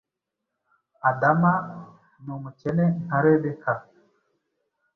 adama ni umukene nka rebecca,